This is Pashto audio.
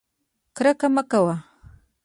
کرکه مه کوئ